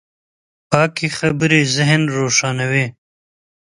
پاکې خبرې ذهن روښانوي.